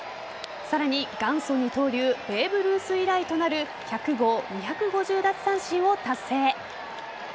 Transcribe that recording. さらに、元祖二刀流ベーブ・ルース以来となる１００号、２５０奪三振を達成。